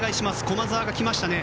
駒澤が来ましたね。